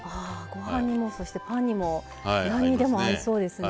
ご飯にもそしてパンにも何にでも合いそうですね。